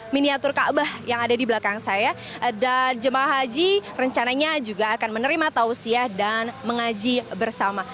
miniatur kaabah yang ada di belakang saya dan jemaah haji rencananya juga akan menerima tausiah dan mengaji bersama